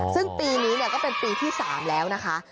ซึ่งปีนี้ก็เป็นปีที่๓แล้วนะคะ